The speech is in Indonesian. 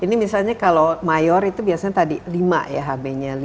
ini misalnya kalau mayor itu biasanya tadi lima ya hb nya lima